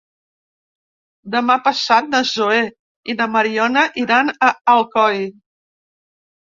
Demà passat na Zoè i na Mariona iran a Alcoi.